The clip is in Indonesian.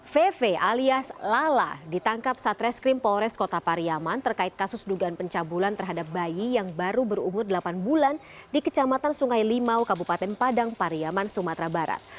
vv alias lala ditangkap saat reskrim polres kota pariyaman terkait kasus dugaan pencabulan terhadap bayi yang baru berumur delapan bulan di kecamatan sungai limau kabupaten padang pariyaman sumatera barat